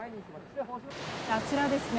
あちらですね。